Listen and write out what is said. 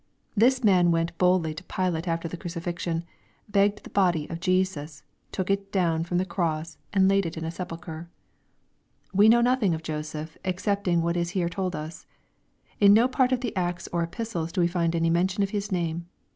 This man went boldly to Pilate after the crucifixion, begged the body of Jesus, " took it down" from the cross, and "laid it in a sepulchre." We know nothing of Joseph excepting what is here told us. In no part of the Acts or Epistles do we find any mention of his name.